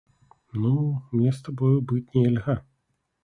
Ну, мне з табою быць нельга.